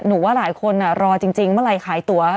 ว่าหลายคนรอจริงเมื่อไหร่ขายตัว